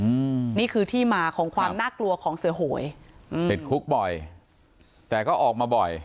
อืมนี่คือที่มาของความน่ากลัวของเสือโหยอืมติดคุกบ่อยแต่ก็ออกมาบ่อย